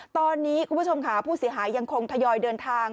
ตอนนี้คุณผู้ชมค่ะผู้เสียหายยังคงทยอยเดินทาง